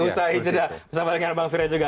usai jeda bersama dengan bang surya juga